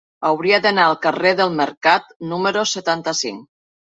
Hauria d'anar al carrer del Mercat número setanta-cinc.